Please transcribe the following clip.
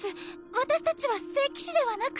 私たちは聖騎士ではなく。